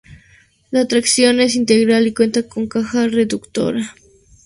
La tracción es integral y cuenta con caja reductora.